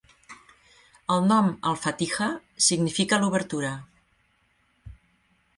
El nom "Al-Fatiha" significa l'obertura.